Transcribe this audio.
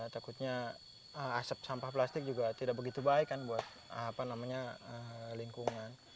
takutnya asap sampah plastik juga tidak begitu baik kan buat lingkungan